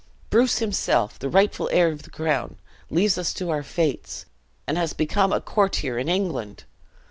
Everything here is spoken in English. Bruce himself, the rightful heir of the crown, leaves us to our fates, and has become a courtier in England!